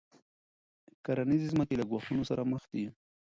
کرنیزې ځمکې له ګواښونو سره مخ دي.